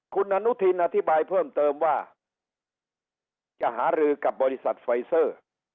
คุณอนุทินอธิบายเพิ่มเติมว่าจะหารือกับบริษัทไฟเซอร์